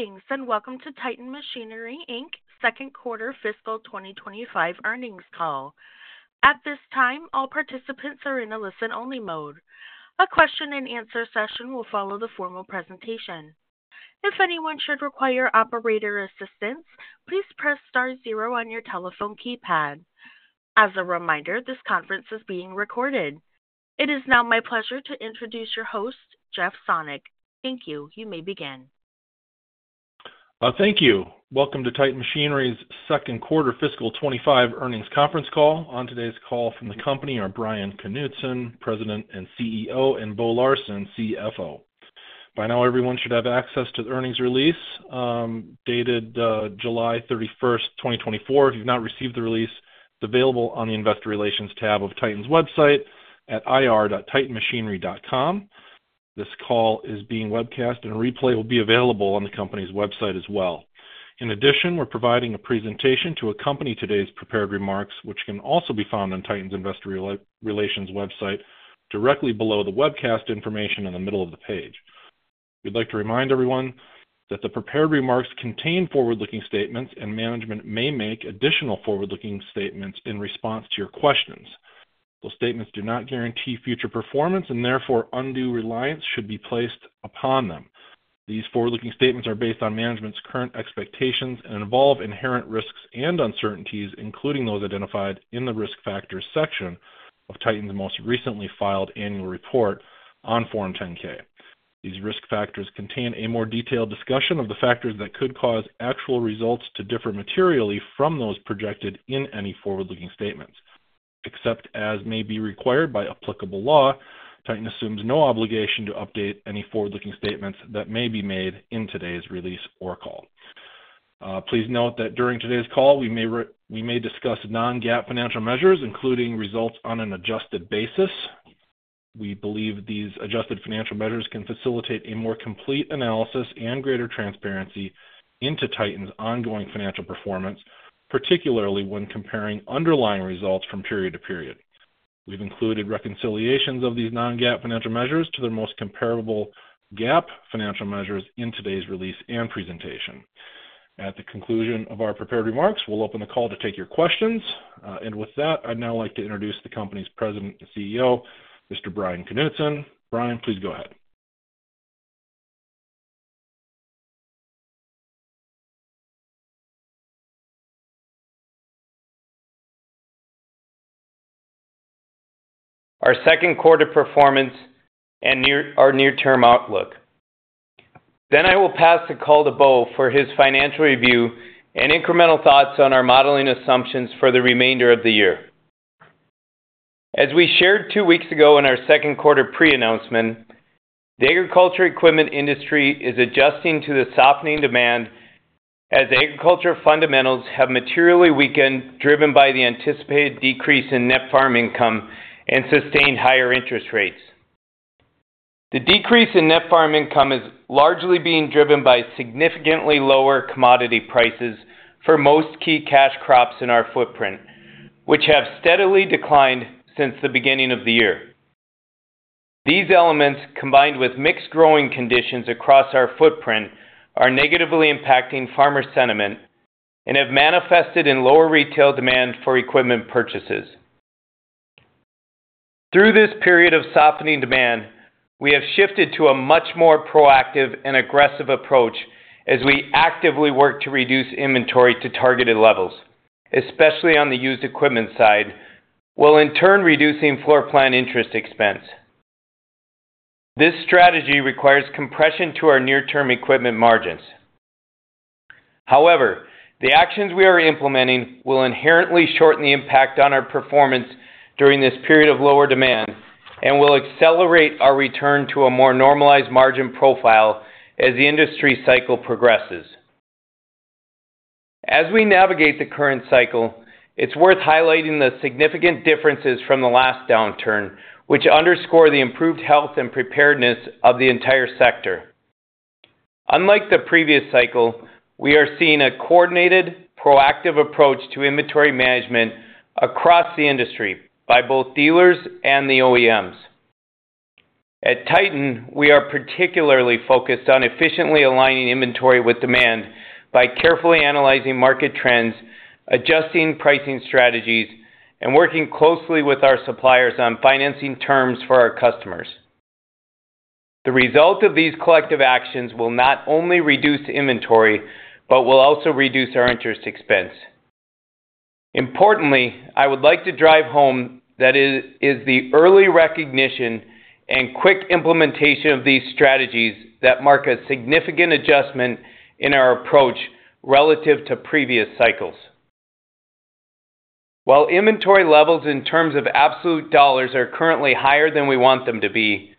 ...Greetings, and welcome to Titan Machinery Inc.'s second quarter fiscal 2025 earnings call. At this time, all participants are in a listen-only mode. A question and answer session will follow the formal presentation. If anyone should require operator assistance, please press star zero on your telephone keypad. As a reminder, this conference is being recorded. It is now my pleasure to introduce your host, Jeff Sonnek. Thank you. You may begin. Thank you. Welcome to Titan Machinery's second quarter fiscal 2025 earnings conference call. On today's call from the company are Bryan Knutson, President and CEO, and Bo Larsen, CFO. By now, everyone should have access to the earnings release, dated July 31st, 2024. If you've not received the release, it's available on the Investor Relations tab of Titan's website at ir.titanmachinery.com. This call is being webcast and a replay will be available on the company's website as well. In addition, we're providing a presentation to accompany today's prepared remarks, which can also be found on Titan's Investor Relations website, directly below the webcast information in the middle of the page. We'd like to remind everyone that the prepared remarks contain forward-looking statements, and management may make additional forward-looking statements in response to your questions. Those statements do not guarantee future performance, and therefore undue reliance should be placed upon them. These forward-looking statements are based on management's current expectations and involve inherent risks and uncertainties, including those identified in the Risk Factors section of Titan's most recently filed annual report on Form 10-K. These risk factors contain a more detailed discussion of the factors that could cause actual results to differ materially from those projected in any forward-looking statements. Except as may be required by applicable law, Titan assumes no obligation to update any forward-looking statements that may be made in today's release or call. Please note that during today's call, we may discuss non-GAAP financial measures, including results on an adjusted basis. We believe these adjusted financial measures can facilitate a more complete analysis and greater transparency into Titan's ongoing financial performance, particularly when comparing underlying results from period to period. We've included reconciliations of these non-GAAP financial measures to their most comparable GAAP financial measures in today's release and presentation. At the conclusion of our prepared remarks, we'll open the call to take your questions, and with that, I'd now like to introduce the company's President and CEO, Mr. Bryan Knutson. Bryan, please go ahead. Our second quarter performance and our near-term outlook. Then I will pass the call to Bo for his financial review and incremental thoughts on our modeling assumptions for the remainder of the year. As we shared two weeks ago in our second quarter pre-announcement, the agriculture equipment industry is adjusting to the softening demand as agriculture fundamentals have materially weakened, driven by the anticipated decrease in net farm income and sustained higher interest rates. The decrease in net farm income is largely being driven by significantly lower commodity prices for most key cash crops in our footprint, which have steadily declined since the beginning of the year. These elements, combined with mixed growing conditions across our footprint, are negatively impacting farmer sentiment and have manifested in lower retail demand for equipment purchases. Through this period of softening demand, we have shifted to a much more proactive and aggressive approach as we actively work to reduce inventory to targeted levels, especially on the used equipment side, while in turn reducing floorplan interest expense. This strategy requires compression to our near-term equipment margins. However, the actions we are implementing will inherently shorten the impact on our performance during this period of lower demand and will accelerate our return to a more normalized margin profile as the industry cycle progresses. As we navigate the current cycle, it's worth highlighting the significant differences from the last downturn, which underscore the improved health and preparedness of the entire sector. Unlike the previous cycle, we are seeing a coordinated, proactive approach to inventory management across the industry by both dealers and the OEMs. At Titan, we are particularly focused on efficiently aligning inventory with demand by carefully analyzing market trends, adjusting pricing strategies, and working closely with our suppliers on financing terms for our customers. The result of these collective actions will not only reduce inventory, but will also reduce our interest expense. Importantly, I would like to drive home that it is the early recognition and quick implementation of these strategies that mark a significant adjustment in our approach relative to previous cycles. While inventory levels in terms of absolute dollars are currently higher than we want them to be,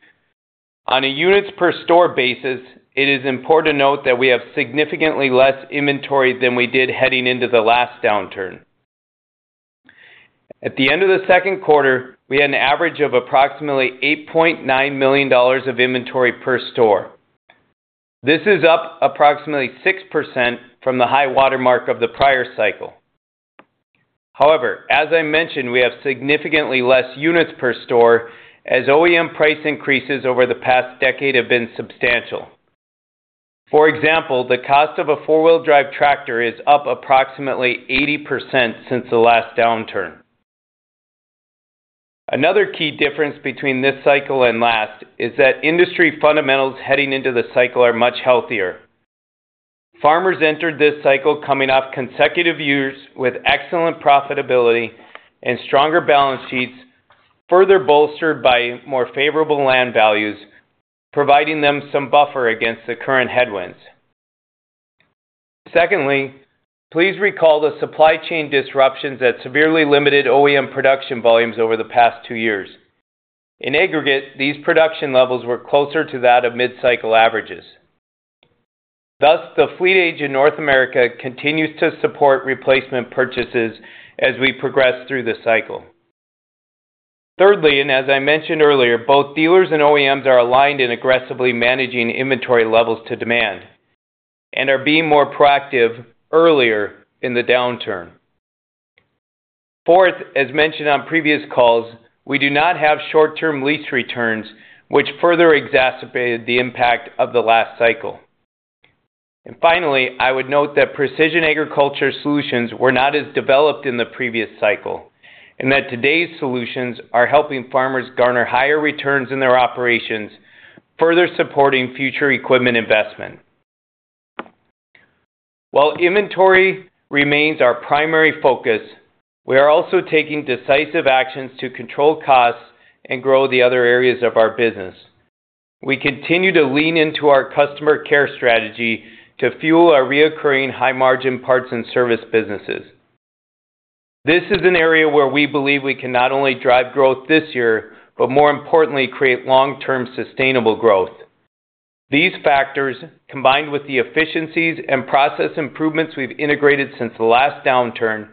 on a units per store basis, it is important to note that we have significantly less inventory than we did heading into the last downturn. At the end of the second quarter, we had an average of approximately $8.9 million of inventory per store. This is up approximately 6% from the high watermark of the prior cycle. However, as I mentioned, we have significantly less units per store as OEM price increases over the past decade have been substantial. For example, the cost of a four-wheel drive tractor is up approximately 80% since the last downturn. Another key difference between this cycle and last is that industry fundamentals heading into the cycle are much healthier. Farmers entered this cycle coming off consecutive years with excellent profitability and stronger balance sheets, further bolstered by more favorable land values, providing them some buffer against the current headwinds. Secondly, please recall the supply chain disruptions that severely limited OEM production volumes over the past two years. In aggregate, these production levels were closer to that of mid-cycle averages. Thus, the fleet age in North America continues to support replacement purchases as we progress through the cycle. Thirdly, and as I mentioned earlier, both dealers and OEMs are aligned in aggressively managing inventory levels to demand and are being more proactive earlier in the downturn. Fourth, as mentioned on previous calls, we do not have short-term lease returns, which further exacerbated the impact of the last cycle. And finally, I would note that precision agriculture solutions were not as developed in the previous cycle, and that today's solutions are helping farmers garner higher returns in their operations, further supporting future equipment investment. While inventory remains our primary focus, we are also taking decisive actions to control costs and grow the other areas of our business. We continue to lean into our customer care strategy to fuel our recurring high-margin parts and service businesses. This is an area where we believe we can not only drive growth this year, but more importantly, create long-term sustainable growth. These factors, combined with the efficiencies and process improvements we've integrated since the last downturn,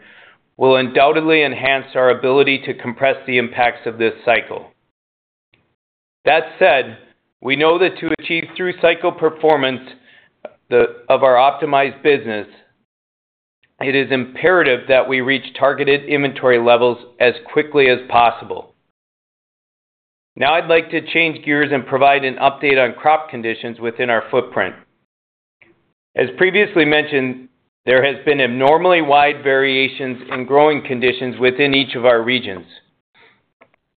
will undoubtedly enhance our ability to compress the impacts of this cycle. That said, we know that to achieve through-cycle performance of our optimized business, it is imperative that we reach targeted inventory levels as quickly as possible. Now I'd like to change gears and provide an update on crop conditions within our footprint. As previously mentioned, there has been abnormally wide variations in growing conditions within each of our regions.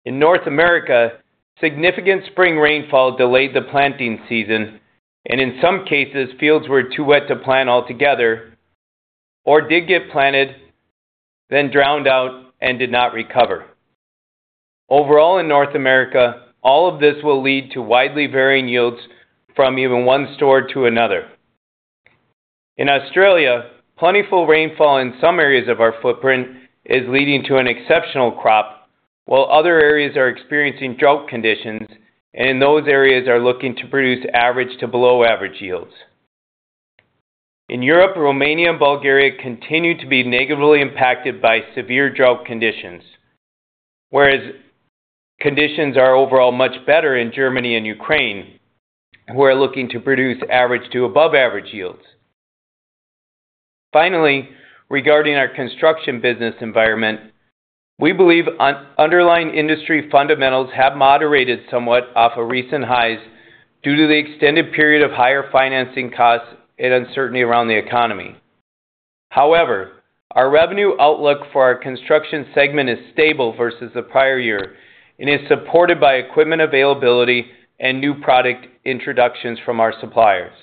In North America, significant spring rainfall delayed the planting season, and in some cases, fields were too wet to plant altogether or did get planted, then drowned out and did not recover. Overall, in North America, all of this will lead to widely varying yields from even one store to another. In Australia, plentiful rainfall in some areas of our footprint is leading to an exceptional crop, while other areas are experiencing drought conditions, and in those areas are looking to produce average to below average yields. In Europe, Romania and Bulgaria continue to be negatively impacted by severe drought conditions, whereas conditions are overall much better in Germany and Ukraine, who are looking to produce average to above average yields. Finally, regarding our construction business environment, we believe underlying industry fundamentals have moderated somewhat off of recent highs due to the extended period of higher financing costs and uncertainty around the economy. However, our revenue outlook for our construction segment is stable versus the prior year and is supported by equipment availability and new product introductions from our suppliers.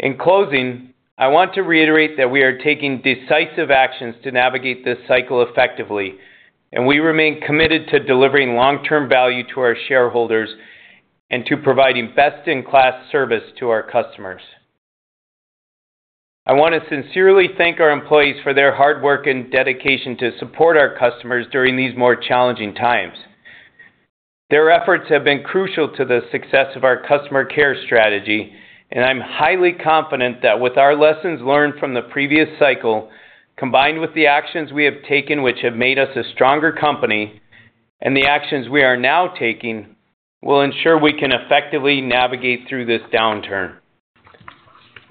In closing, I want to reiterate that we are taking decisive actions to navigate this cycle effectively, and we remain committed to delivering long-term value to our shareholders and to providing best-in-class service to our customers. I want to sincerely thank our employees for their hard work and dedication to support our customers during these more challenging times. Their efforts have been crucial to the success of our customer care strategy, and I'm highly confident that with our lessons learned from the previous cycle, combined with the actions we have taken, which have made us a stronger company, and the actions we are now taking, will ensure we can effectively navigate through this downturn.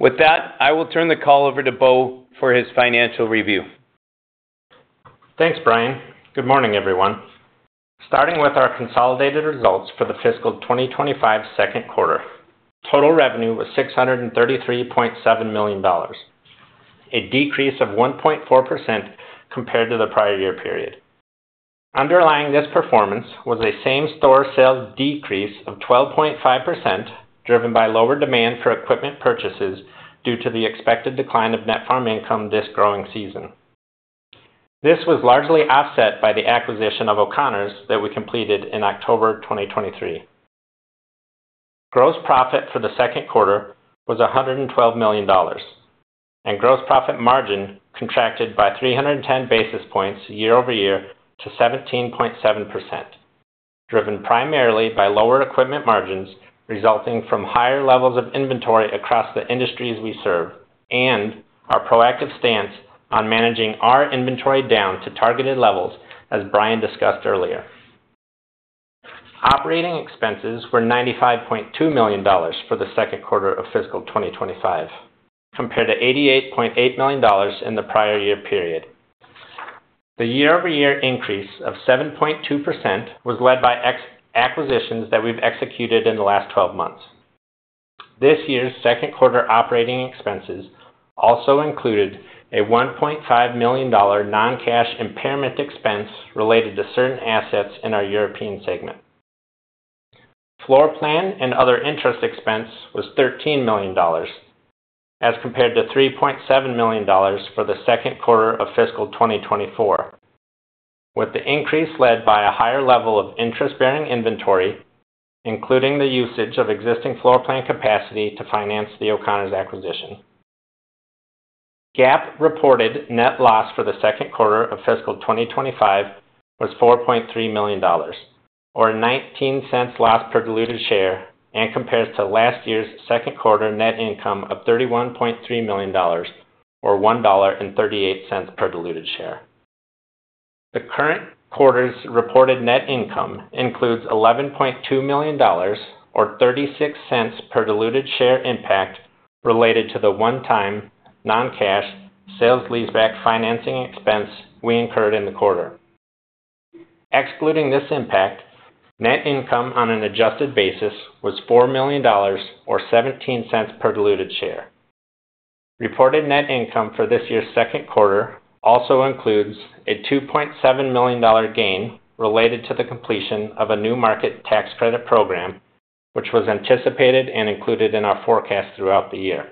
With that, I will turn the call over to Bo for his financial review. Thanks, Brian. Good morning, everyone. Starting with our consolidated results for the fiscal 2025 second quarter. Total revenue was $633.7 million, a decrease of 1.4% compared to the prior year period. Underlying this performance was a same-store sales decrease of 12.5%, driven by lower demand for equipment purchases due to the expected decline of net farm income this growing season. This was largely offset by the acquisition of O'Connors that we completed in October 2023. Gross profit for the second quarter was $112 million, and gross profit margin contracted by 310 basis points year-over-year to 17.7%, driven primarily by lower equipment margins, resulting from higher levels of inventory across the industries we serve and our proactive stance on managing our inventory down to targeted levels, as Brian discussed earlier. Operating expenses were $95.2 million for the second quarter of fiscal 2025, compared to $88.8 million in the prior year period. The year-over-year increase of 7.2% was led by acquisitions that we've executed in the last 12 months. This year's second quarter operating expenses also included a $1.5 million non-cash impairment expense related to certain assets in our European segment. Floorplan and other interest expense was $13 million, as compared to $3.7 million for the second quarter of fiscal 2024, with the increase led by a higher level of interest-bearing inventory, including the usage of existing floorplan capacity to finance the O'Connors acquisition. GAAP reported net loss for the second quarter of fiscal 2025 was $4.3 million, or $0.19 loss per diluted share, and compares to last year's second quarter net income of $31.3 million, or $1.38 per diluted share. The current quarter's reported net income includes $11.2 million or $0.36 per diluted share impact, related to the one-time non-cash sale-leaseback financing expense we incurred in the quarter. Excluding this impact, net income on an adjusted basis was $4 million or $0.17 per diluted share. Reported net income for this year's second quarter also includes a $2.7 million gain related to the completion of a New Markets Tax Credit program, which was anticipated and included in our forecast throughout the year.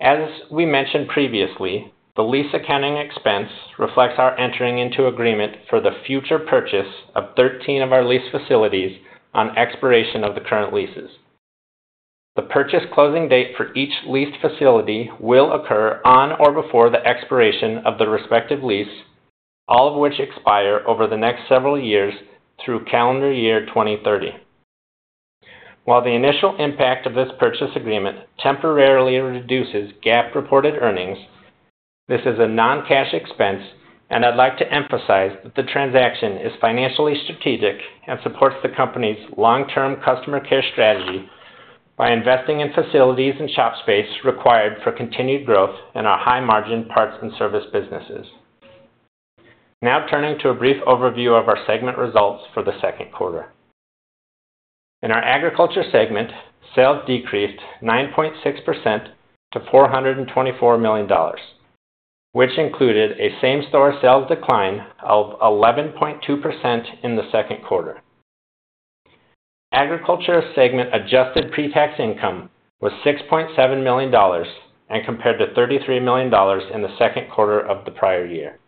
As we mentioned previously, the lease accounting expense reflects our entering into agreement for the future purchase of 13 of our lease facilities on expiration of the current leases. The purchase closing date for each leased facility will occur on or before the expiration of the respective lease, all of which expire over the next several years through calendar year 2030. While the initial impact of this purchase agreement temporarily reduces GAAP reported earnings, this is a non-cash expense, and I'd like to emphasize that the transaction is financially strategic and supports the company's long-term customer care strategy by investing in facilities and shop space required for continued growth in our high-margin parts and service businesses. Now turning to a brief overview of our segment results for the second quarter. In our agriculture segment, sales decreased 9.6% to $424 million, which included a same-store sales decline of 11.2% in the second quarter. Agriculture segment adjusted pretax income was $6.7 million, compared to $33 million in the second quarter of the prior year.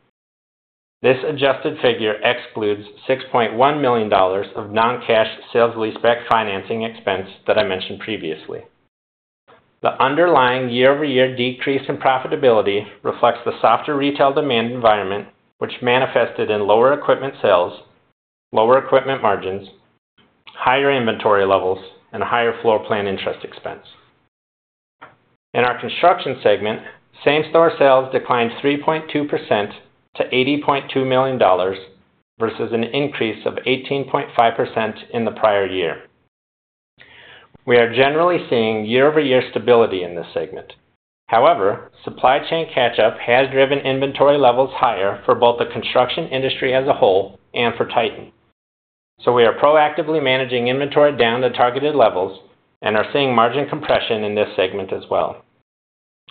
This adjusted figure excludes $6.1 million of non-cash sale-leaseback financing expense that I mentioned previously. The underlying year-over-year decrease in profitability reflects the softer retail demand environment, which manifested in lower equipment sales, lower equipment margins, higher inventory levels, and higher floorplan interest expense. In our construction segment, same-store sales declined 3.2% to $80.2 million versus an increase of 18.5% in the prior year. We are generally seeing year-over-year stability in this segment. However, supply chain catch-up has driven inventory levels higher for both the construction industry as a whole and for Titan. So we are proactively managing inventory down to targeted levels and are seeing margin compression in this segment as well.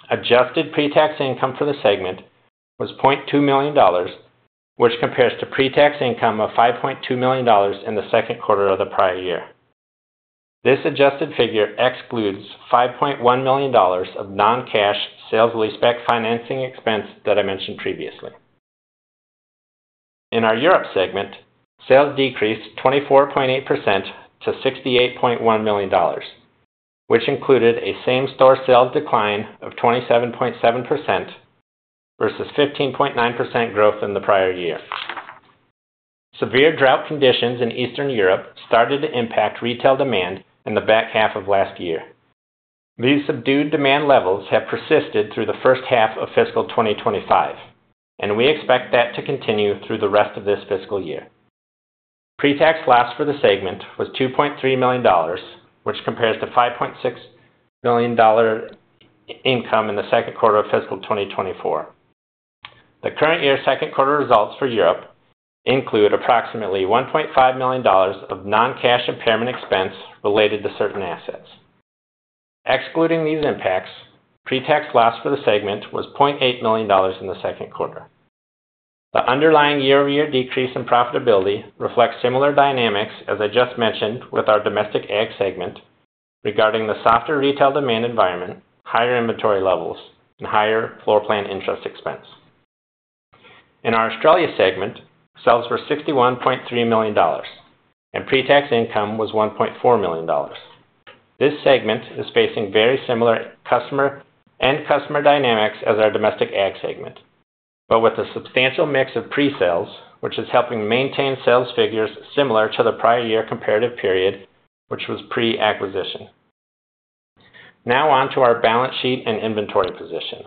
Adjusted pretax income for the segment was $0.2 million, which compares to pretax income of $5.2 million in the second quarter of the prior year. This adjusted figure excludes $5.1 million of non-cash sale-leaseback financing expense that I mentioned previously. In our Europe segment, sales decreased 24.8% to $68.1 million, which included a same-store sales decline of 27.7% versus 15.9% growth in the prior year. Severe drought conditions in Eastern Europe started to impact retail demand in the back half of last year. These subdued demand levels have persisted through the first half of fiscal 2025, and we expect that to continue through the rest of this fiscal year. Pre-tax loss for the segment was $2.3 million, which compares to $5.6 million income in the second quarter of fiscal 2024. The current year's second quarter results for Europe include approximately $1.5 million of non-cash impairment expense related to certain assets. Excluding these impacts, pretax loss for the segment was $0.8 million in the second quarter. The underlying year-over-year decrease in profitability reflects similar dynamics as I just mentioned, with our domestic ag segment regarding the softer retail demand environment, higher inventory levels, and higher floorplan interest expense. In our Australia segment, sales were $61.3 million, and pretax income was $1.4 million. This segment is facing very similar customer dynamics as our domestic ag segment, but with a substantial mix of pre-sales, which is helping maintain sales figures similar to the prior year comparative period, which was pre-acquisition.... Now on to our balance sheet and inventory position.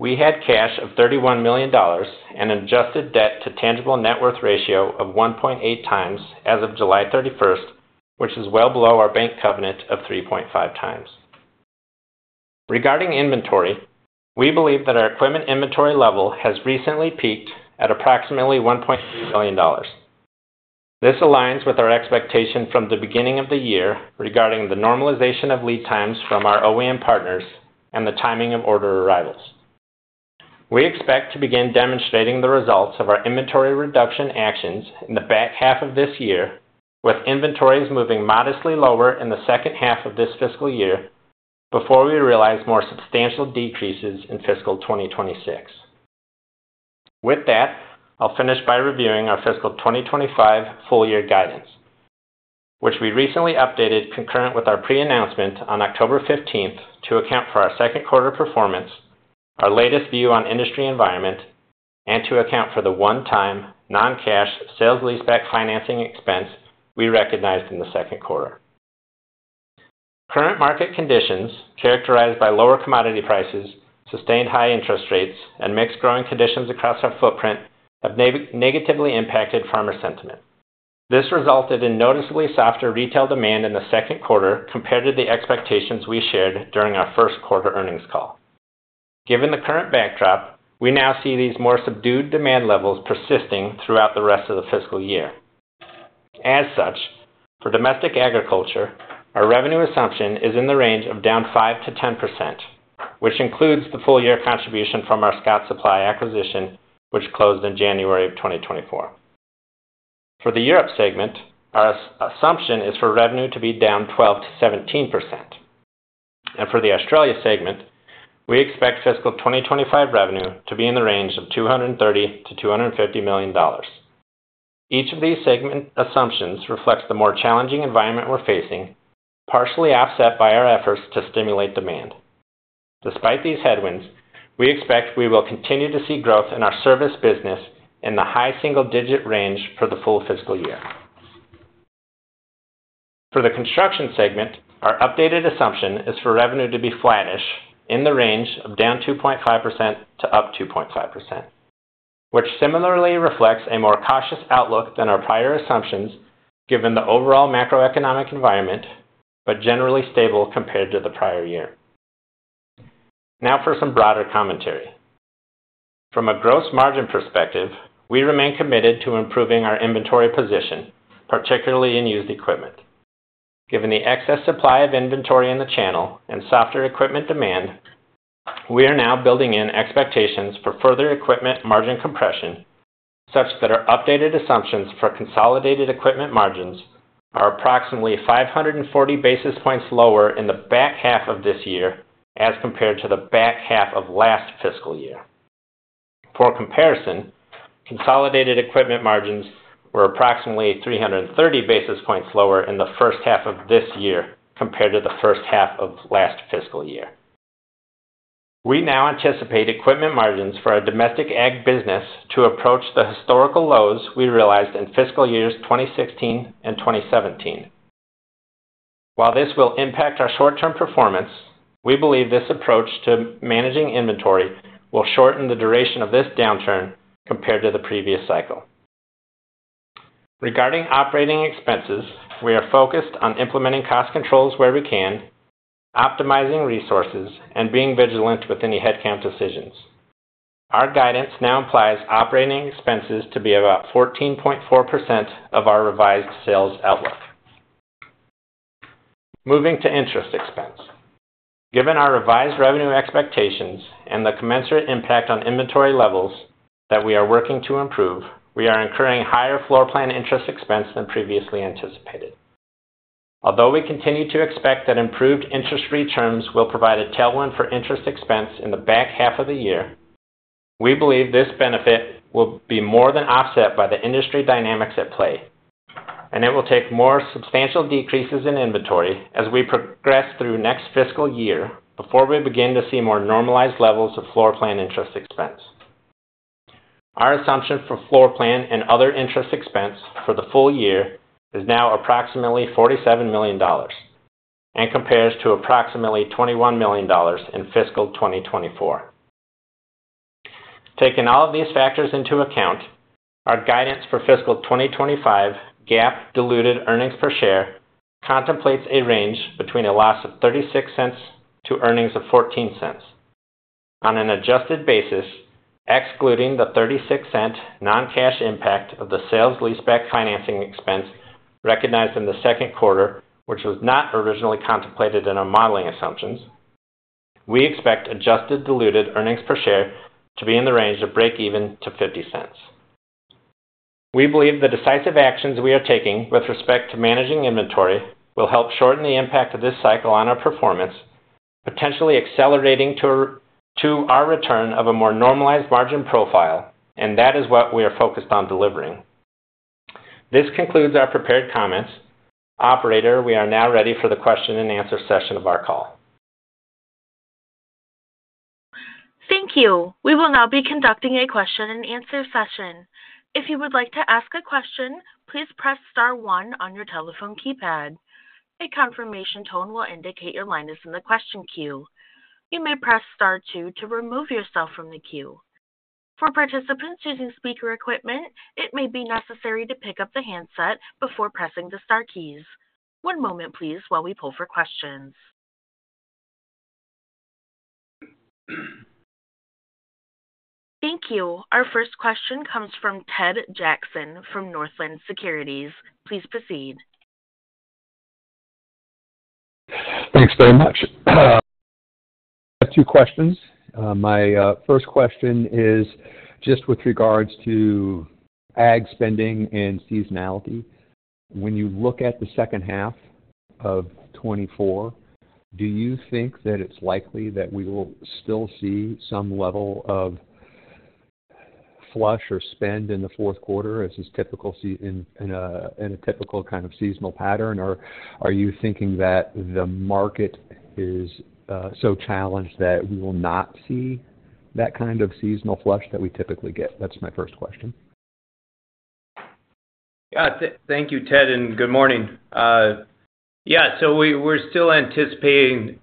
We had cash of $31 million and adjusted debt to tangible net worth ratio of 1.8x as of July 31st, which is well below our bank covenant of 3.5x. Regarding inventory, we believe that our equipment inventory level has recently peaked at approximately $1.3 billion. This aligns with our expectation from the beginning of the year regarding the normalization of lead times from our OEM partners and the timing of order arrivals. We expect to begin demonstrating the results of our inventory reduction actions in the back half of this year, with inventories moving modestly lower in the second half of this fiscal year before we realize more substantial decreases in fiscal 2026. With that, I'll finish by reviewing our fiscal 2025 full year guidance, which we recently updated concurrent with our pre-announcement on October fifteenth to account for our second quarter performance, our latest view on industry environment, and to account for the one-time non-cash sale-leaseback financing expense we recognized in the second quarter. Current market conditions, characterized by lower commodity prices, sustained high interest rates, and mixed growing conditions across our footprint, have negatively impacted farmer sentiment. This resulted in noticeably softer retail demand in the second quarter compared to the expectations we shared during our first quarter earnings call. Given the current backdrop, we now see these more subdued demand levels persisting throughout the rest of the fiscal year. As such, for domestic agriculture, our revenue assumption is in the range of down 5%-10%, which includes the full year contribution from our Scott Supply acquisition, which closed in January of 2024. For the Europe segment, our assumption is for revenue to be down 12%-17%. And for the Australia segment, we expect fiscal 2025 revenue to be in the range of $230 million-$250 million. Each of these segment assumptions reflects the more challenging environment we're facing, partially offset by our efforts to stimulate demand. Despite these headwinds, we expect we will continue to see growth in our service business in the high single-digit range for the full fiscal year. For the construction segment, our updated assumption is for revenue to be flattish in the range of down 2.5% to up 2.5%, which similarly reflects a more cautious outlook than our prior assumptions, given the overall macroeconomic environment, but generally stable compared to the prior year. Now for some broader commentary. From a gross margin perspective, we remain committed to improving our inventory position, particularly in used equipment. Given the excess supply of inventory in the channel and softer equipment demand, we are now building in expectations for further equipment margin compression, such that our updated assumptions for consolidated equipment margins are approximately 540 basis points lower in the back half of this year as compared to the back half of last fiscal year. For comparison, consolidated equipment margins were approximately 330 basis points lower in the first half of this year compared to the first half of last fiscal year. We now anticipate equipment margins for our domestic ag business to approach the historical lows we realized in fiscal years 2016 and 2017. While this will impact our short-term performance, we believe this approach to managing inventory will shorten the duration of this downturn compared to the previous cycle. Regarding operating expenses, we are focused on implementing cost controls where we can, optimizing resources, and being vigilant with any headcount decisions. Our guidance now implies operating expenses to be about 14.4% of our revised sales outlook. Moving to interest expense. Given our revised revenue expectations and the commensurate impact on inventory levels that we are working to improve, we are incurring higher floor plan interest expense than previously anticipated. Although we continue to expect that improved interest rates terms will provide a tailwind for interest expense in the back half of the year, we believe this benefit will be more than offset by the industry dynamics at play, and it will take more substantial decreases in inventory as we progress through next fiscal year before we begin to see more normalized levels of floor plan interest expense. Our assumption for floor plan and other interest expense for the full year is now approximately $47 million and compares to approximately $21 million in fiscal 2024. Taking all of these factors into account, our guidance for fiscal 2025 GAAP diluted earnings per share contemplates a range between a loss of $0.36 to earnings of $0.14. On an adjusted basis, excluding the $0.36 non-cash impact of the sale-leaseback financing expense recognized in the second quarter, which was not originally contemplated in our modeling assumptions, we expect adjusted diluted earnings per share to be in the range of breakeven to $0.50. We believe the decisive actions we are taking with respect to managing inventory will help shorten the impact of this cycle on our performance, potentially accelerating to our return of a more normalized margin profile, and that is what we are focused on delivering. This concludes our prepared comments. Operator, we are now ready for the question and answer session of our call. Thank you. We will now be conducting a question and answer session. If you would like to ask a question, please press star one on your telephone keypad. A confirmation tone will indicate your line is in the question queue. You may press star two to remove yourself from the queue. For participants using speaker equipment, it may be necessary to pick up the handset before pressing the star keys. One moment please, while we pull for questions. Thank you. Our first question comes from Ted Jackson from Northland Securities. Please proceed. Thanks very much. Two questions. My first question is just with regards to ag spending and seasonality. When you look at the second half of 2024, do you think that it's likely that we will still see some level of flush or spend in the fourth quarter, as is typical in a typical kind of seasonal pattern? Or are you thinking that the market is so challenged that we will not see that kind of seasonal flush that we typically get? That's my first question. Thank you, Ted, and good morning. Yeah, so we're still anticipating,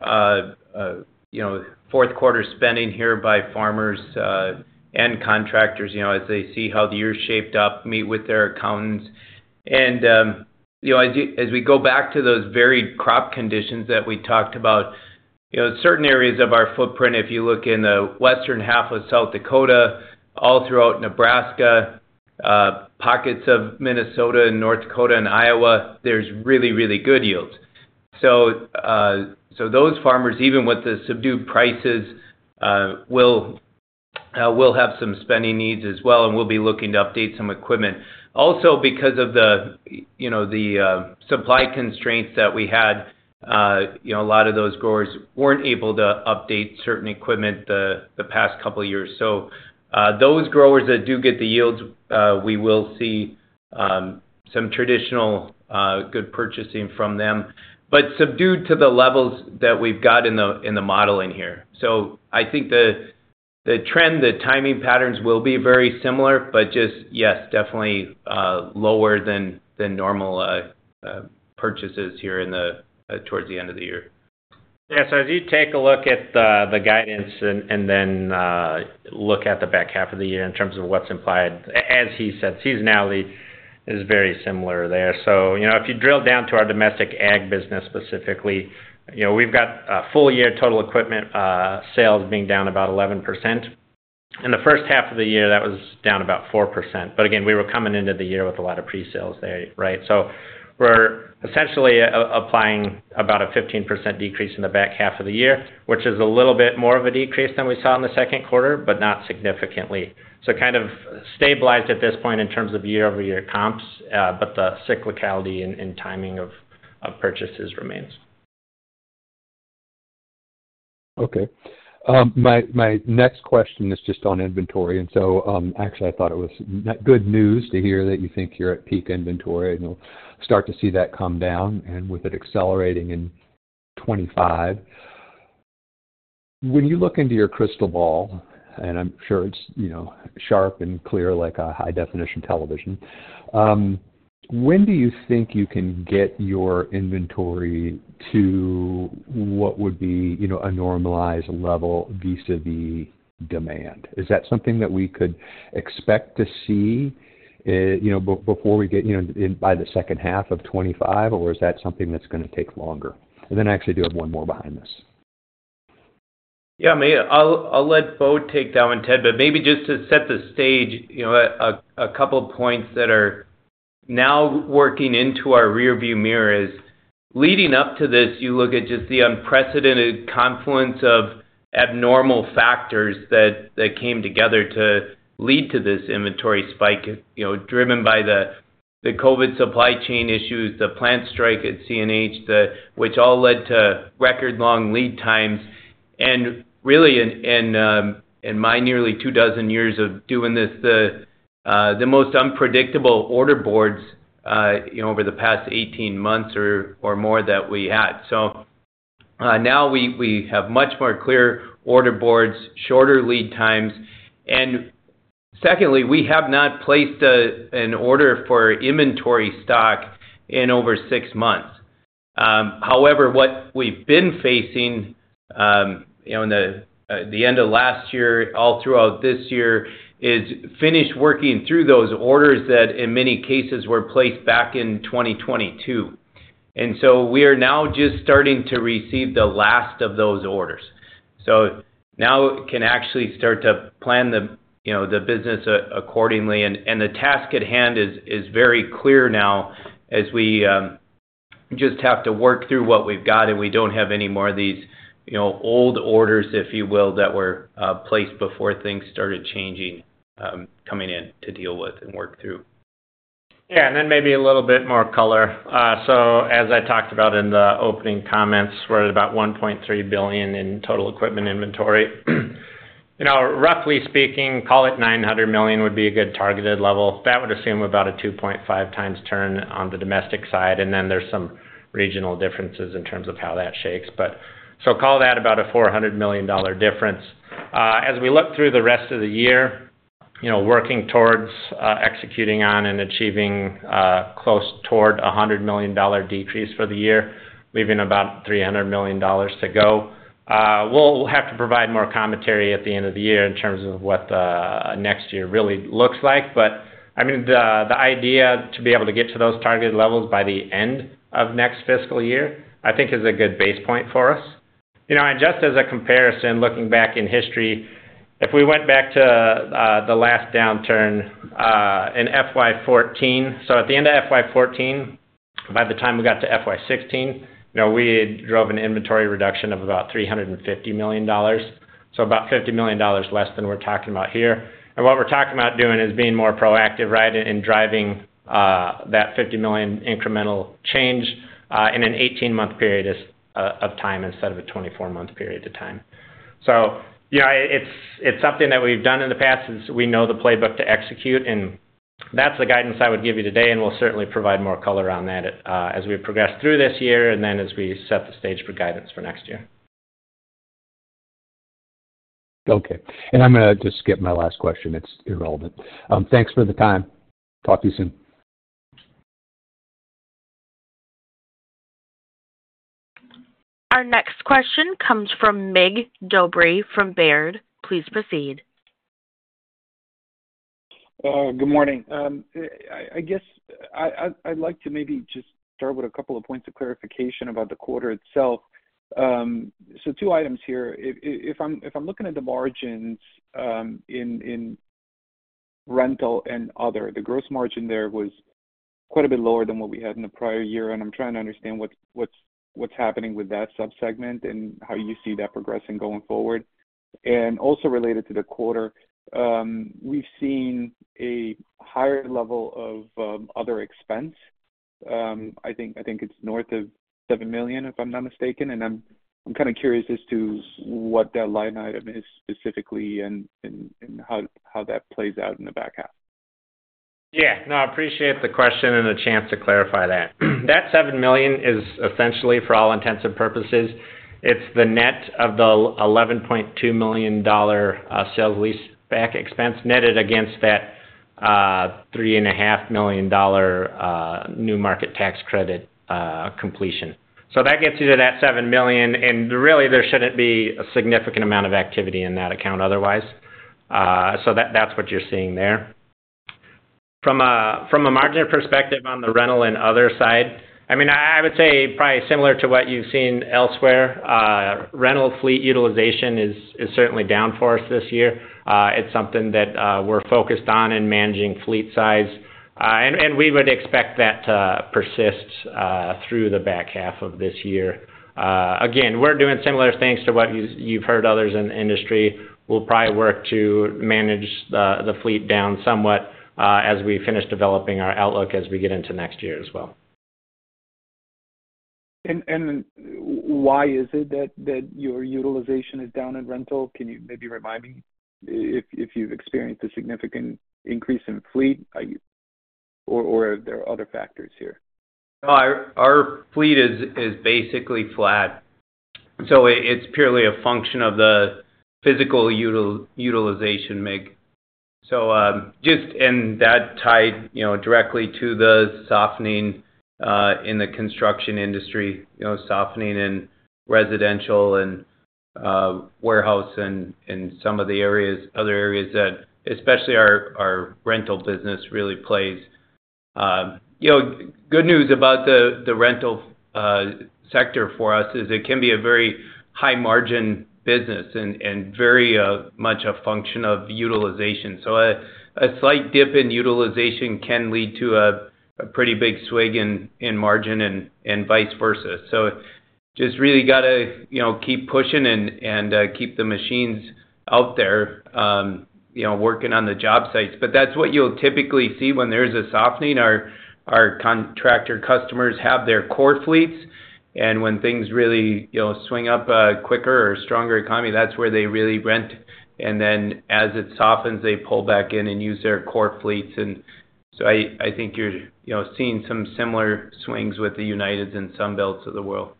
you know, fourth quarter spending here by farmers and contractors, you know, as they see how the year shaped up, meet with their accountants, and you know, as we go back to those varied crop conditions that we talked about, you know, certain areas of our footprint, if you look in the western half of South Dakota, all throughout Nebraska, pockets of Minnesota and North Dakota and Iowa, there's really, really good yields. So those farmers, even with the subdued prices, will have some spending needs as well, and will be looking to update some equipment. Also, because of the, you know, the supply constraints that we had, you know, a lot of those growers weren't able to update certain equipment the past couple of years, so those growers that do get the yields, we will see some traditional good purchasing from them, but subdued to the levels that we've got in the modeling here, so I think the trend, the timing patterns will be very similar, but just, yes, definitely lower than normal purchases here towards the end of the year. Yeah, so as you take a look at the guidance and then look at the back half of the year in terms of what's implied, as he said, seasonality is very similar there. So you know, if you drill down to our domestic ag business specifically, you know, we've got a full year total equipment sales being down about 11%. In the first half of the year, that was down about 4%. But again, we were coming into the year with a lot of pre-sales there, right? So we're essentially applying about a 15% decrease in the back half of the year, which is a little bit more of a decrease than we saw in the second quarter, but not significantly. So kind of stabilized at this point in terms of year-over-year comps, but the cyclicality and timing of purchases remains. Okay. My next question is just on inventory, and so, actually, I thought it was good news to hear that you think you're at peak inventory, and you'll start to see that come down and with it accelerating in 2025. When you look into your crystal ball, and I'm sure it's, you know, sharp and clear, like a high-definition television, when do you think you can get your inventory to what would be, you know, a normalized level vis-a-vis demand? Is that something that we could expect to see, you know, before we get, you know, in by the second half of 2025? Or is that something that's gonna take longer, and then I actually do have one more behind this. Yeah, maybe I'll let Bo take that one, Ted, but maybe just to set the stage, you know, a couple points that are now working into our rearview mirror is, leading up to this, you look at just the unprecedented confluence of abnormal factors that came together to lead to this inventory spike. You know, driven by the COVID supply chain issues, the plant strike at CNH, which all led to record long lead times. And really, in my nearly two dozen years of doing this, the most unpredictable order boards, you know, over the past eighteen months or more that we had. So, now we have much more clear order boards, shorter lead times. And secondly, we have not placed an order for inventory stock in over six months. However, what we've been facing, you know, in the end of last year, all throughout this year, is finished working through those orders that, in many cases, were placed back in 2022. And so we are now just starting to receive the last of those orders. So now we can actually start to plan the, you know, the business accordingly. And the task at hand is very clear now, as we just have to work through what we've got, and we don't have any more of these, you know, old orders, if you will, that were placed before things started changing, coming in to deal with and work through. Yeah, and then maybe a little bit more color. So as I talked about in the opening comments, we're at about $1.3 billion in total equipment inventory. You know, roughly speaking, call it $900 million would be a good targeted level. That would assume about a 2.5x turn on the domestic side, and then there's some regional differences in terms of how that shakes. But, so call that about a $400 million difference. As we look through the rest of the year, you know, working towards executing on and achieving close toward a $100 million decrease for the year, leaving about $300 million to go. We'll have to provide more commentary at the end of the year in terms of what the next year really looks like. But I mean, the idea to be able to get to those targeted levels by the end of next fiscal year, I think is a good base point for us. You know, and just as a comparison, looking back in history, if we went back to the last downturn in FY 2014. So at the end of FY 2014, by the time we got to FY 2016, you know, we drove an inventory reduction of about $350 million, so about $50 million less than we're talking about here. And what we're talking about doing is being more proactive, right, in driving that $50 million incremental change in an eighteen-month period of time instead of a 24 month period of time. So yeah, it's something that we've done in the past, and so we know the playbook to execute, and that's the guidance I would give you today, and we'll certainly provide more color on that as we progress through this year and then as we set the stage for guidance for next year. Okay. And I'm gonna just skip my last question. It's irrelevant. Thanks for the time. Talk to you soon. Our next question comes from Mig Dobre from Baird. Please proceed. Good morning. I guess I'd like to maybe just start with a couple of points of clarification about the quarter itself. So two items here. If I'm looking at the margins in rental and other, the gross margin there was quite a bit lower than what we had in the prior year, and I'm trying to understand what's happening with that sub-segment and how you see that progressing going forward. Also related to the quarter, we've seen a higher level of other expense. I think it's north of $7 million, if I'm not mistaken, and I'm kind of curious as to what that line item is specifically and how that plays out in the back half. Yeah. No, I appreciate the question and the chance to clarify that. That $7 million is essentially, for all intents and purposes, it's the net of the $11.2 million sale-leaseback expense, netted against that $3.5 million New Markets Tax Credit completion. So that gets you to that $7 million, and really, there shouldn't be a significant amount of activity in that account otherwise. So that's what you're seeing there. From a margin perspective on the rental and other side, I mean, I would say probably similar to what you've seen elsewhere. Rental fleet utilization is certainly down for us this year. It's something that we're focused on in managing fleet size. And we would expect that to persist through the back half of this year. Again, we're doing similar things to what you've heard others in the industry. We'll probably work to manage the fleet down somewhat, as we finish developing our outlook as we get into next year as well. Why is it that your utilization is down in rental? Can you maybe remind me if you've experienced a significant increase in fleet or are there other factors here? Our fleet is basically flat. So it's purely a function of the physical utilization, Mig. So just and that tied, you know, directly to the softening in the construction industry. You know, softening in residential and warehouse and in some of the areas, other areas that especially our rental business really plays. You know, good news about the rental sector for us is it can be a very high-margin business and very much a function of utilization. So a slight dip in utilization can lead to a pretty big swing in margin and vice versa. So just really got to, you know, keep pushing and keep the machines out there, you know, working on the job sites. But that's what you'll typically see when there's a softening. Our contractor customers have their core fleets, and when things really, you know, swing up, quicker or stronger economy, that's where they really rent. And then as it softens, they pull back in and use their core fleets. And so I think you're, you know, seeing some similar swings with the United and some Sunbelts of the world.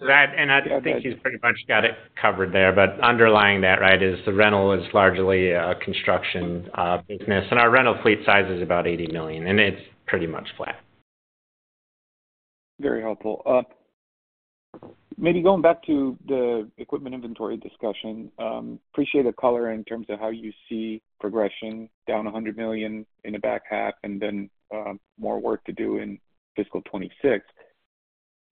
So that, and I think you pretty much got it covered there, but underlying that, right, is the rental is largely a construction business, and our rental fleet size is about $80 million, and it's pretty much flat. Very helpful. Maybe going back to the equipment inventory discussion, appreciate the color in terms of how you see progression down $100 million in the back half and then, more work to do in fiscal 2026.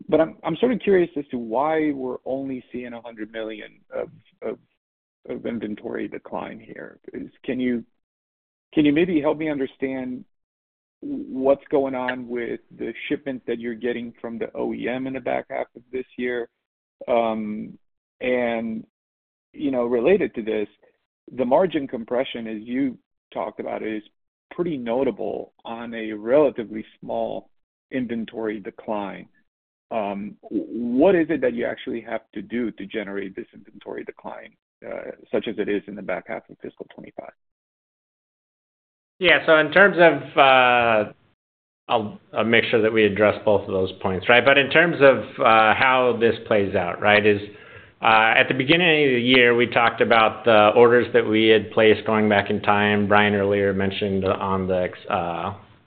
But I'm sort of curious as to why we're only seeing $100 million of inventory decline here. Can you maybe help me understand what's going on with the shipment that you're getting from the OEM in the back half of this year? And, you know, related to this, the margin compression, as you talked about, is pretty notable on a relatively small inventory decline. What is it that you actually have to do to generate this inventory decline, such as it is in the back half of fiscal 2025? Yeah, so in terms of, I'll make sure that we address both of those points, right? But in terms of, how this plays out, right, is, at the beginning of the year, we talked about the orders that we had placed going back in time. Brian earlier mentioned on the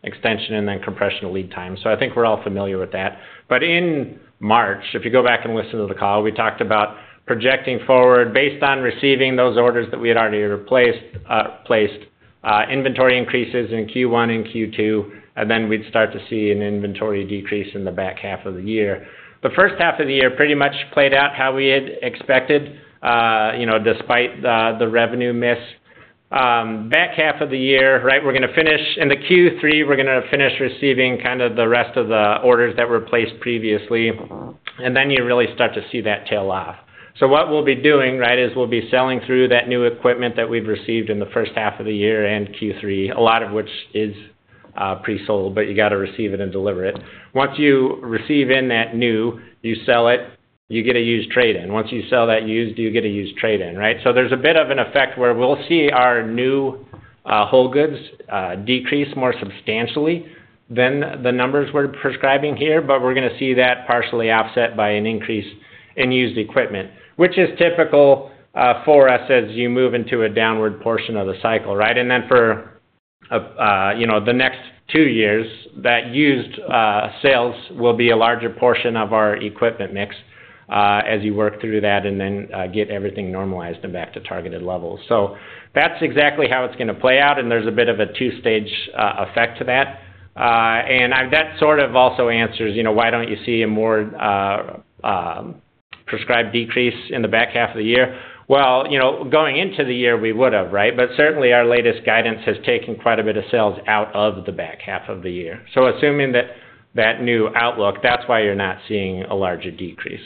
extension and then compression of lead time. So I think we're all familiar with that. But in March, if you go back and listen to the call, we talked about projecting forward based on receiving those orders that we had already placed, inventory increases in Q1 and Q2, and then we'd start to see an inventory decrease in the back half of the year. The first half of the year pretty much played out how we had expected, you know, despite the revenue miss. Back half of the year, right, we're gonna finish in the Q3, we're gonna finish receiving kind of the rest of the orders that were placed previously, and then you really start to see that tail off. So what we'll be doing, right, is we'll be selling through that new equipment that we've received in the first half of the year and Q3, a lot of which is pre-sold, but you got to receive it and deliver it. Once you receive in that new, you sell it, you get a used trade-in. Once you sell that used, you get a used trade-in, right? So there's a bit of an effect where we'll see our new whole goods decrease more substantially than the numbers we're prescribing here, but we're gonna see that partially offset by an increase in used equipment, which is typical for us as you move into a downward portion of the cycle, right? And then for, you know, the next two years, that used sales will be a larger portion of our equipment mix as you work through that and then get everything normalized and back to targeted levels. So that's exactly how it's gonna play out, and there's a bit of a two-stage effect to that. And that sort of also answers, you know, why don't you see a more prescribed decrease in the back half of the year? You know, going into the year, we would have, right? But certainly, our latest guidance has taken quite a bit of sales out of the back half of the year. So assuming that that new outlook, that's why you're not seeing a larger decrease.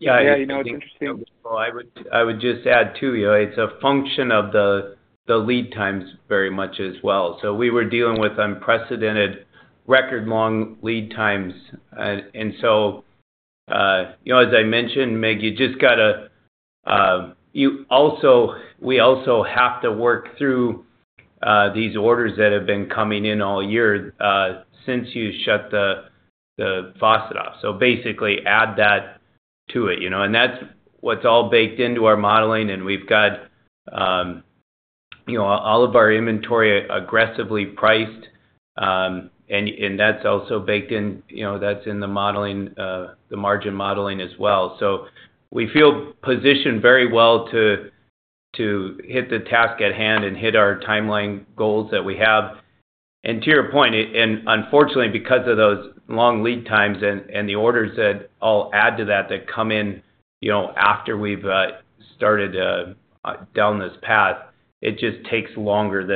Yeah, you know, it's interesting- Well, I would just add, too, you know, it's a function of the lead times very much as well. So we were dealing with unprecedented record-long lead times. And so, you know, as I mentioned, Mig, you just got to, we also have to work through these orders that have been coming in all year, since you shut the faucet off. So basically, add that to it, you know, and that's what's all baked into our modeling, and we've got, you know, all of our inventory aggressively priced, and that's also baked in, you know, that's in the modeling, the margin modeling as well. So we feel positioned very well to hit the task at hand and hit our timeline goals that we have. To your point, unfortunately, because of those long lead times and the orders that I'll add to that that come in, you know, after we've started down this path, it just takes longer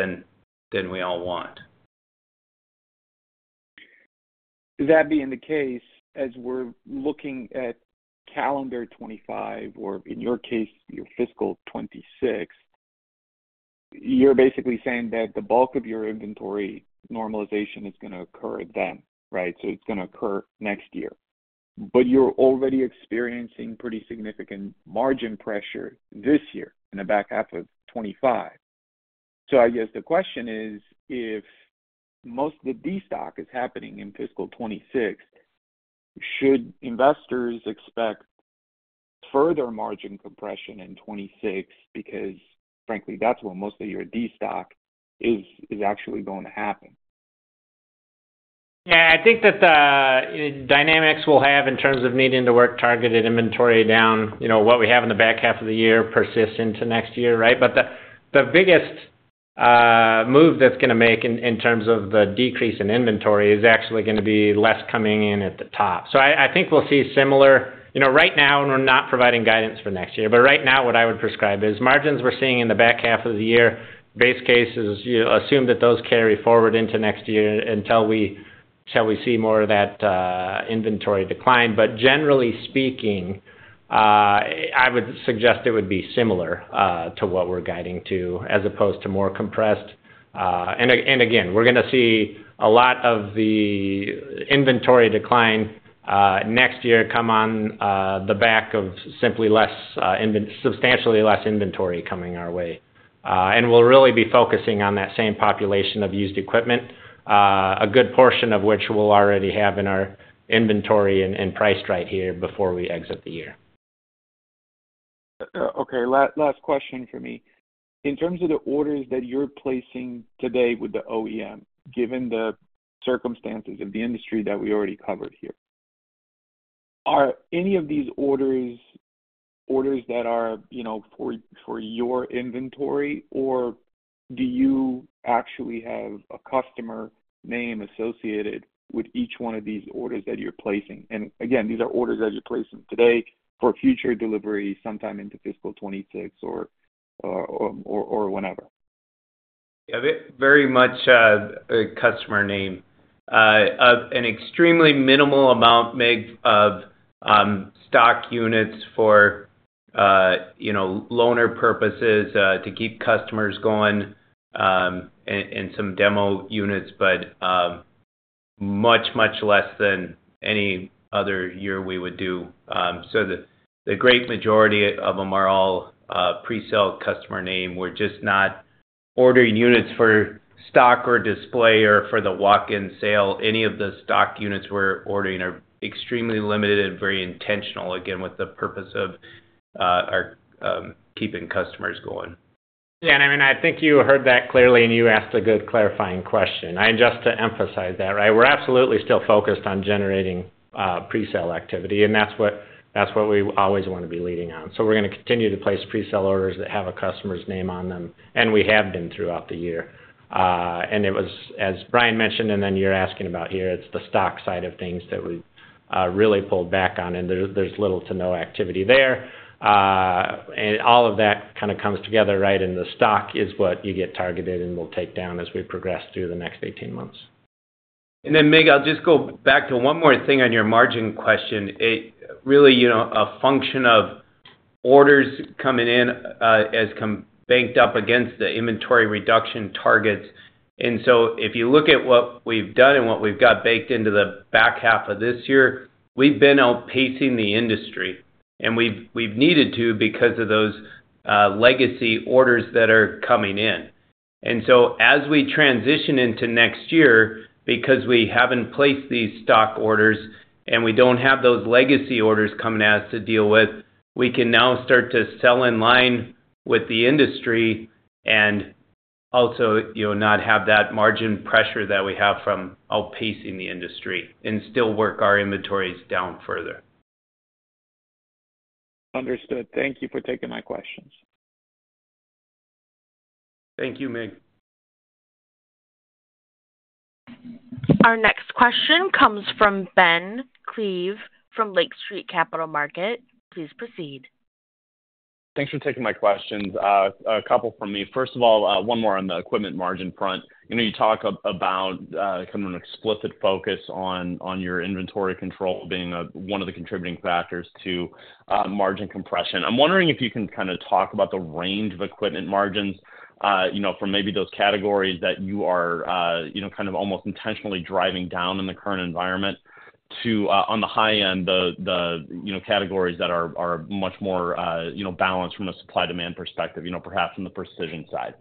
than we all want. That being the case, as we're looking at calendar 2025, or in your case, your fiscal 2026, you're basically saying that the bulk of your inventory normalization is gonna occur then, right? So it's gonna occur next year. But you're already experiencing pretty significant margin pressure this year in the back half of 2025. So I guess the question is, if most of the destock is happening in fiscal 2026, should investors expect further margin compression in 2026? Because frankly, that's when most of your destock is, is actually going to happen. Yeah, I think that the dynamics we'll have in terms of needing to work targeted inventory down, you know, what we have in the back half of the year persists into next year, right? But the biggest move that's gonna make in terms of the decrease in inventory is actually gonna be less coming in at the top. So I think we'll see similar... You know, right now, and we're not providing guidance for next year, but right now, what I would prescribe is margins we're seeing in the back half of the year, base cases, you assume that those carry forward into next year until we see more of that inventory decline. But generally speaking, I would suggest it would be similar to what we're guiding to, as opposed to more compressed. And again, we're gonna see a lot of the inventory decline next year, coming on the back of simply less, substantially less inventory coming our way. And we'll really be focusing on that same population of used equipment, a good portion of which we'll already have in our inventory and priced right here before we exit the year. Okay, last question for me. In terms of the orders that you're placing today with the OEM, given the circumstances of the industry that we already covered here, are any of these orders, orders that are, you know, for your inventory? Or do you actually have a customer name associated with each one of these orders that you're placing? And again, these are orders that you're placing today for future delivery, sometime into fiscal 2026 or whenever. Yeah, very much, a customer name. An extremely minimal amount, Mig, of stock units for, you know, loaner purposes, to keep customers going, and some demo units, but much, much less than any other year we would do. So the great majority of them are all presale customer name. We're just not ordering units for stock or display or for the walk-in sale. Any of the stock units we're ordering are extremely limited and very intentional, again, with the purpose of our keeping customers going. Yeah, and I mean, I think you heard that clearly, and you asked a good clarifying question. And just to emphasize that, right? We're absolutely still focused on generating presale activity, and that's what, that's what we always want to be leading on. So we're gonna continue to place presale orders that have a customer's name on them, and we have been throughout the year. And it was, as Brian mentioned, and then you're asking about here, it's the stock side of things that we really pulled back on, and there's little to no activity there. And all of that kinda comes together, right? And the stock is what you get targeted, and we'll take down as we progress through the next eighteen months. And then, Mig, I'll just go back to one more thing on your margin question. It really, you know, a function of orders coming in, as banked up against the inventory reduction targets. And so if you look at what we've done and what we've got baked into the back half of this year, we've been outpacing the industry, and we've needed to because of those legacy orders that are coming in. And so as we transition into next year, because we haven't placed these stock orders, and we don't have those legacy orders coming at us to deal with, we can now start to sell in line with the industry and also, you know, not have that margin pressure that we have from outpacing the industry and still work our inventories down further. Understood. Thank you for taking my questions. Thank you, Mig. Our next question comes from Ben Klieve, from Lake Street Capital Markets. Please proceed. Thanks for taking my questions. A couple from me. First of all, one more on the equipment margin front. I know you talk about kind of an explicit focus on your inventory control being one of the contributing factors to margin compression. I'm wondering if you can kinda talk about the range of equipment margins, you know, from maybe those categories that you are, you know, kind of almost intentionally driving down in the current environment to, on the high end, the categories that are much more balanced from a supply-demand perspective, you know, perhaps from the precision side.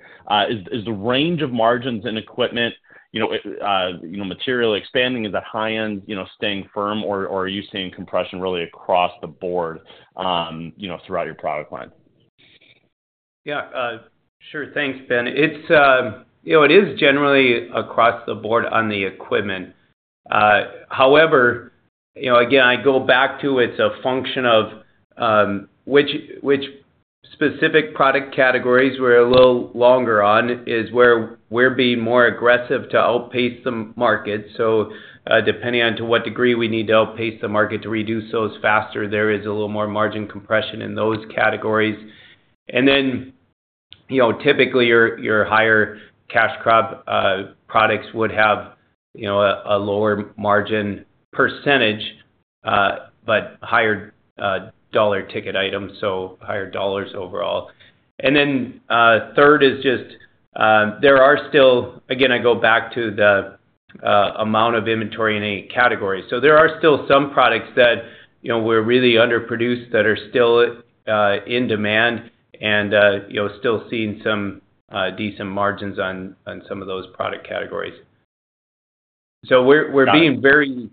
Is the range of margins in equipment, you know, materially expanding? Is the high end, you know, staying firm, or, or are you seeing compression really across the board, you know, throughout your product line? Yeah, sure. Thanks, Ben. It's, you know, it is generally across the board on the equipment. However, you know, again, I go back to it's a function of, which specific product categories we're a little longer on is where we're being more aggressive to outpace the market. So, depending on to what degree we need to outpace the market to reduce those faster, there is a little more margin compression in those categories. And then, you know, typically, your higher cash crop products would have, you know, a lower margin percentage, but higher dollar ticket items, so higher dollars overall. And then, third is just, there are still. Again, I go back to the amount of inventory in a category. So there are still some products that, you know, we're really underproduced, that are still in demand and, you know, still seeing some decent margins on some of those product categories. So we're being very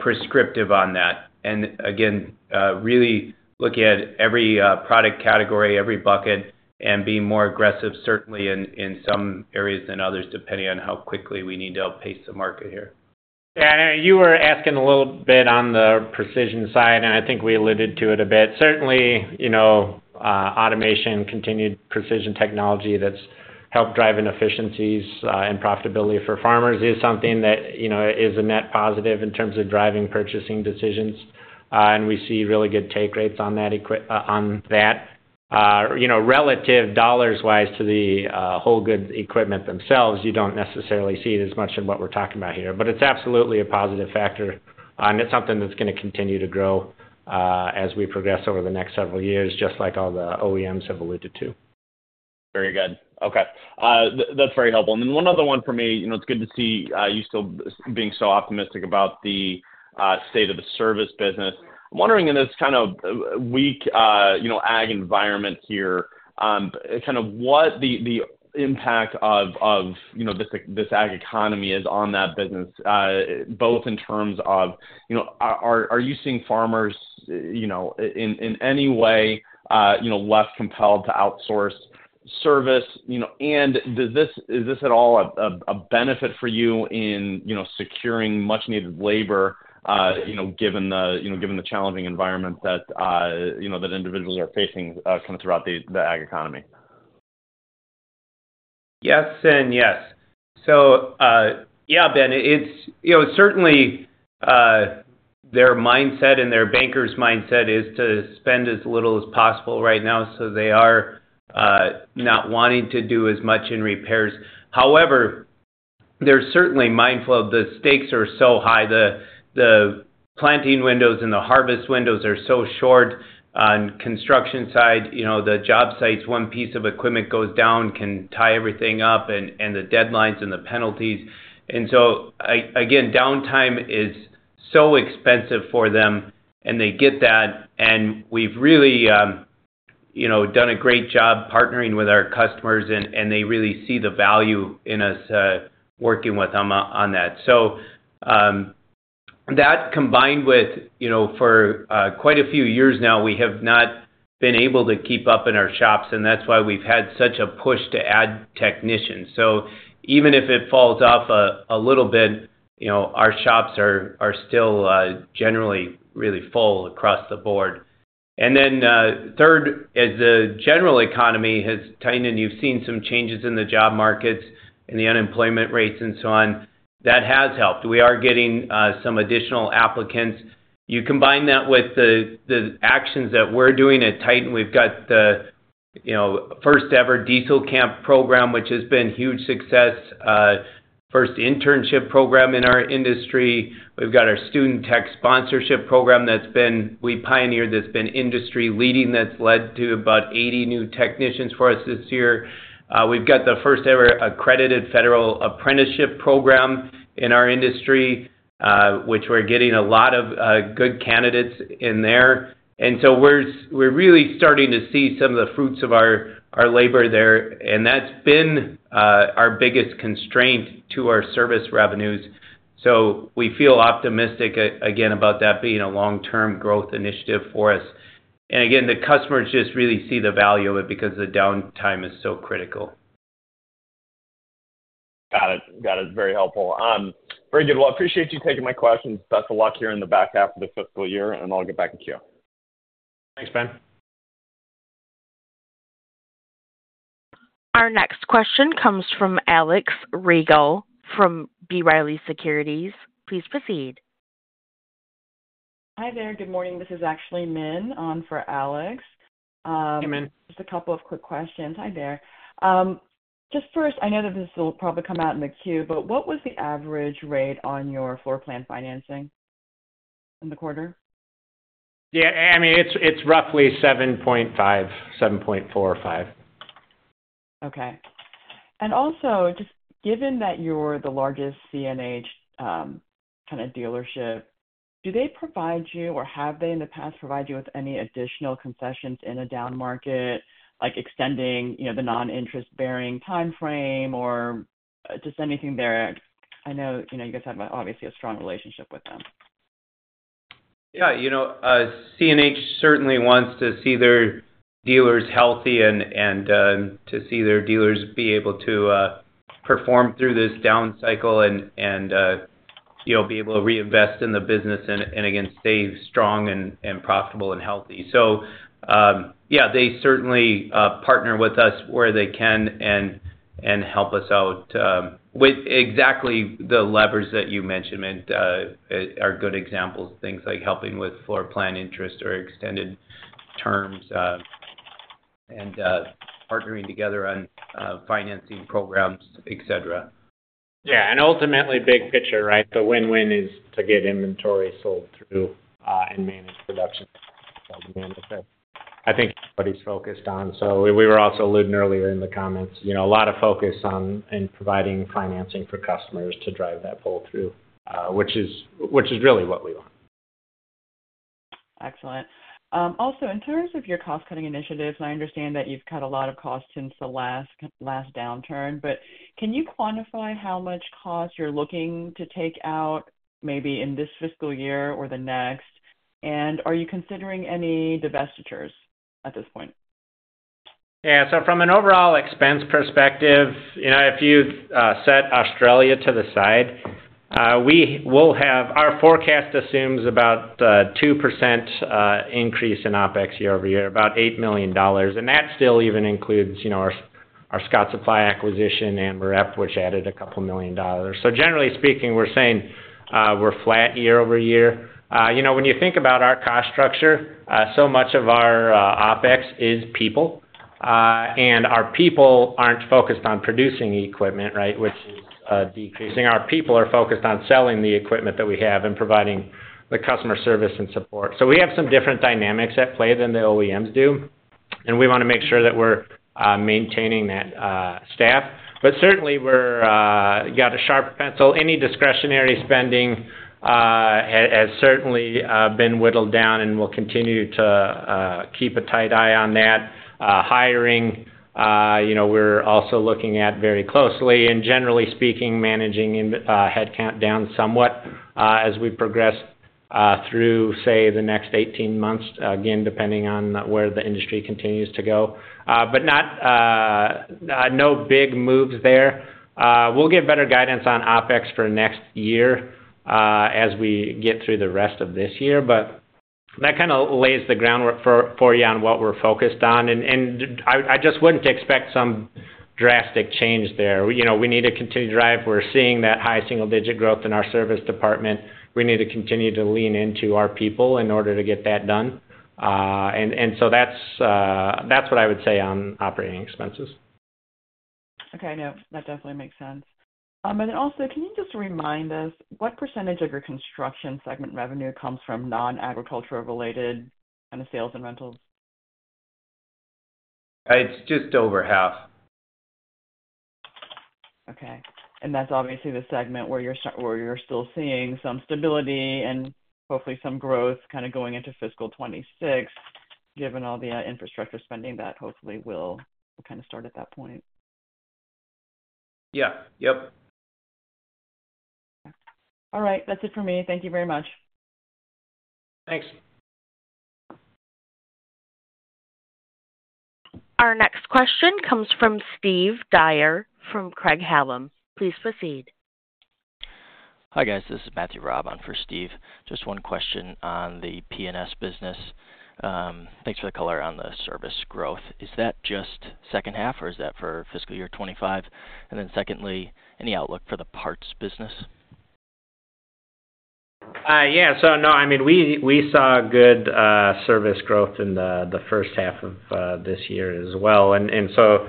prescriptive on that, and again really looking at every product category, every bucket, and being more aggressive, certainly in some areas than others, depending on how quickly we need to outpace the market here. Yeah, and you were asking a little bit on the precision side, and I think we alluded to it a bit. Certainly, you know, automation, continued precision technology that's helped drive inefficiencies, and profitability for farmers is something that, you know, is a net positive in terms of driving purchasing decisions. And we see really good take rates on that. You know, relative dollars-wise to the, wholegoods equipment themselves, you don't necessarily see it as much in what we're talking about here, but it's absolutely a positive factor, and it's something that's gonna continue to grow, as we progress over the next several years, just like all the OEMs have alluded to. Very good. Okay. That's very helpful. And then one other one for me. You know, it's good to see, you still being so optimistic about the state of the service business. I'm wondering in this kind of weak, you know, ag environment here, kind of what the impact of, you know, this ag economy is on that business, both in terms of, you know, are you seeing farmers, you know, in any way, you know, less compelled to outsource service? You know, and is this at all a benefit for you in, you know, securing much needed labor, you know, given the challenging environment that, you know, that individuals are facing, kind of throughout the ag economy? Yes and yes. So, yeah, Ben, it's, you know, certainly, their mindset and their banker's mindset is to spend as little as possible right now, so they are not wanting to do as much in repairs. However, they're certainly mindful of the stakes are so high.... planting windows and the harvest windows are so short. On construction side, you know, the job sites, one piece of equipment goes down, can tie everything up, and the deadlines and the penalties, so again, downtime is so expensive for them, and they get that, and we've really, you know, done a great job partnering with our customers, and they really see the value in us working with them on that, so that combined with, you know, for quite a few years now, we have not been able to keep up in our shops, and that's why we've had such a push to add technicians, so even if it falls off a little bit, you know, our shops are still generally really full across the board. And then, third, as the general economy has tightened, you've seen some changes in the job markets and the unemployment rates and so on. That has helped. We are getting some additional applicants. You combine that with the actions that we're doing at Titan. We've got the, you know, first-ever Diesel Camp program, which has been huge success. First internship program in our industry. We've got our Student Tech Sponsorship program that's been. We pioneered. That's been industry-leading, that's led to about 80 new technicians for us this year. We've got the first-ever accredited federal apprenticeship program in our industry, which we're getting a lot of good candidates in there. And so we're really starting to see some of the fruits of our labor there, and that's been our biggest constraint to our service revenues. So we feel optimistic again, about that being a long-term growth initiative for us. And again, the customers just really see the value of it because the downtime is so critical. Got it. Got it. Very helpful. Very good. Well, I appreciate you taking my questions. Best of luck here in the back half of the fiscal year, and I'll get back to you. Thanks, Ben. Our next question comes from Alex Rygiel from B. Riley Securities. Please proceed. Hi there. Good morning. This is actually Min on for Alex. Hey, Min. Just a couple of quick questions. Hi there. Just first, I know that this will probably come out in the queue, but what was the average rate on your floorplan financing in the quarter? Yeah, I mean, it's roughly seven point five, seven point four or five. Okay. And also, just given that you're the largest CNH kind of dealership, do they provide you, or have they, in the past, provided you with any additional concessions in a down market, like extending, you know, the non-interest bearing timeframe, or just anything there? I know, you know, you guys have, obviously, a strong relationship with them. Yeah, you know, CNH certainly wants to see their dealers healthy and to see their dealers be able to perform through this down cycle and you know, be able to reinvest in the business and again, stay strong and profitable and healthy. So, yeah, they certainly partner with us where they can and help us out with exactly the levers that you mentioned, Min, are good examples. Things like helping with floor plan interest or extended terms and partnering together on financing programs, et cetera. Yeah, and ultimately, big picture, right? The win-win is to get inventory sold through and manage production. I think that's what he's focused on. We were also alluding earlier in the comments, you know, a lot of focus on in providing financing for customers to drive that pull-through, which is really what we want. Excellent. Also, in terms of your cost-cutting initiatives, and I understand that you've cut a lot of costs since the last downturn, but can you quantify how much cost you're looking to take out, maybe in this fiscal year or the next? And are you considering any divestitures at this point? Yeah. So from an overall expense perspective, you know, if you set Australia to the side, we will have. Our forecast assumes about 2% increase in OpEx year-over-year, about $8 million, and that still even includes, you know, our Scott Supply acquisition and ERP, which added a couple million dollars. So generally speaking, we're saying we're flat year-over-year. You know, when you think about our cost structure, so much of our OpEx is people, and our people aren't focused on producing equipment, right? Which is decreasing. Our people are focused on selling the equipment that we have and providing the customer service and support. So we have some different dynamics at play than the OEMs do, and we want to make sure that we're maintaining that staff. But certainly we're got a sharp pencil. Any discretionary spending has certainly been whittled down, and we'll continue to keep a tight eye on that. Hiring, you know, we're also looking at very closely, and generally speaking, managing in headcount down somewhat as we progress through, say, the next eighteen months, again, depending on where the industry continues to go. But not no big moves there. We'll give better guidance on OpEx for next year as we get through the rest of this year, but that kind of lays the groundwork for you on what we're focused on. And I just wouldn't expect some drastic change there. You know, we need to continue to drive. We're seeing that high single-digit growth in our service department. We need to continue to lean into our people in order to get that done, and so that's what I would say on operating expenses. Okay, no, that definitely makes sense. And then also, can you just remind us what percentage of your construction segment revenue comes from non-agricultural related kind of sales and rentals? It's just over half. Okay. And that's obviously the segment where you're still seeing some stability and hopefully some growth kind of going into fiscal 2026, given all the infrastructure spending that hopefully will kind of start at that point. Yeah. Yep. All right, that's it for me. Thank you very much. Thanks. Our next question comes from Steve Dyer from Craig-Hallum. Please proceed. Hi, guys. This is Matthew Robb on for Steve. Just one question on the P&S business. Thanks for the color on the service growth. Is that just second half, or is that for fiscal year 2025? And then secondly, any outlook for the parts business? Yeah. So no, I mean, we saw good service growth in the first half of this year as well. And so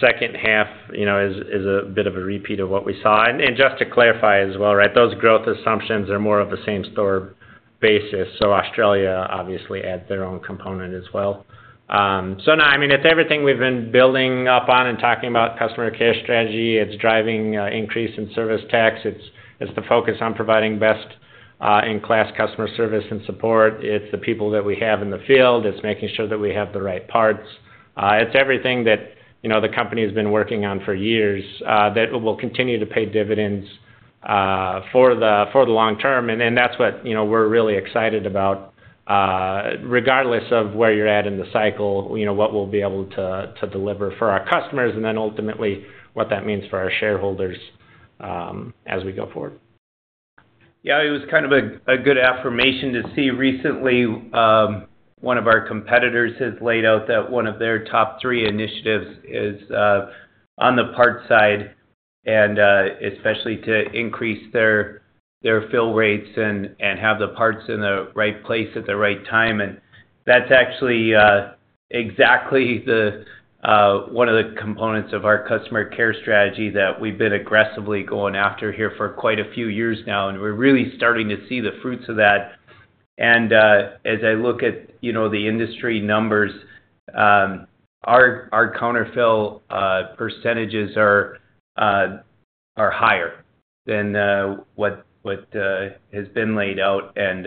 second half, you know, is a bit of a repeat of what we saw. And just to clarify as well, right? Those growth assumptions are more of a same store basis, so Australia obviously add their own component as well. So no, I mean, it's everything we've been building up on and talking about customer care strategy. It's driving increase in service sales. It's the focus on providing best in class customer service and support. It's the people that we have in the field. It's making sure that we have the right parts. It's everything that, you know, the company has been working on for years, that will continue to pay dividends, for the long term. And then that's what, you know, we're really excited about. Regardless of where you're at in the cycle, you know, what we'll be able to deliver for our customers and then ultimately what that means for our shareholders, as we go forward. Yeah, it was kind of a good affirmation to see recently, one of our competitors has laid out that one of their top three initiatives is, on the parts side and, especially to increase their fill rates and have the parts in the right place at the right time. And that's actually exactly the one of the components of our customer care strategy that we've been aggressively going after here for quite a few years now, and we're really starting to see the fruits of that. And as I look at, you know, the industry numbers, our counter fill percentages are higher than what has been laid out. And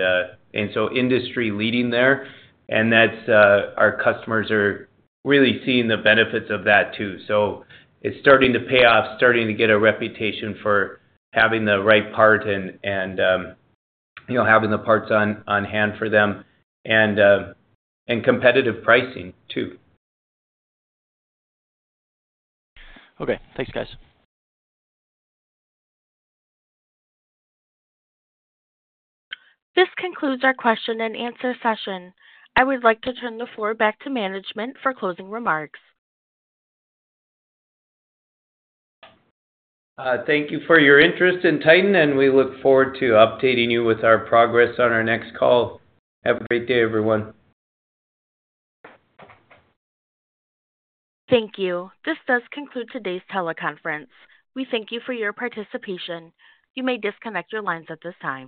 and so industry leading there, and that's our customers are really seeing the benefits of that too. So it's starting to pay off, starting to get a reputation for having the right part and you know, having the parts on hand for them and competitive pricing too. Okay. Thanks, guys. This concludes our question and answer session. I would like to turn the floor back to management for closing remarks. Thank you for your interest in Titan, and we look forward to updating you with our progress on our next call. Have a great day, everyone. Thank you. This does conclude today's teleconference. We thank you for your participation. You may disconnect your lines at this time.